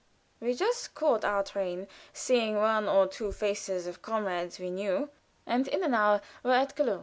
We just caught our train, seeing one or two faces of comrades we knew, and in an hour were in Köln.